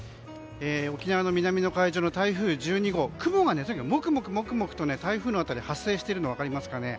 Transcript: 沖縄の南の海上の台風１２号雲がモクモクと台風の辺りに発生しているの分かりますかね。